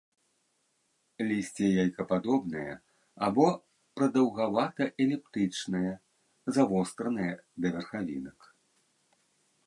Лісце яйкападобнае або прадаўгавата-эліптычнае, завостранае да верхавінак.